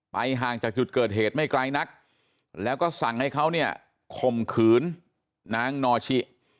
ห่างจากจุดเกิดเหตุไม่ไกลนักแล้วก็สั่งให้เขาเนี่ยข่มขืนนางนอชิ